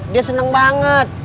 dia seneng banget